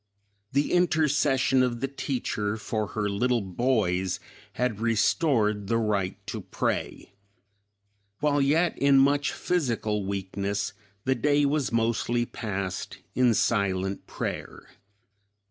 The intercession of the teacher for her little boys had restored the right to pray. While yet in much physical weakness the day was mostly passed in silent prayer.